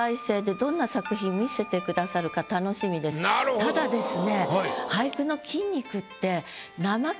ただですね